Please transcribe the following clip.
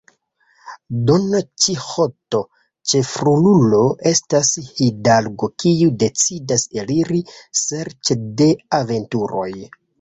Don Kiĥoto, ĉefrolulo, estas hidalgo kiu decidas eliri serĉe de aventuroj.